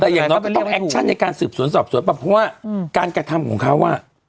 แต่อย่างน้อยก็ต้องแอคชั่นในการสืบสวนสอบสวนป่ะเพราะว่าการกระทำของเขาอ่ะ